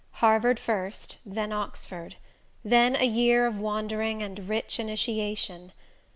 Harvard first then Oxford; then a year of wandering and rich initiation.